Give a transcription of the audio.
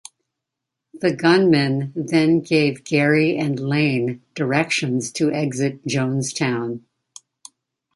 The gunmen then gave Garry and Lane directions to exit Jonestown.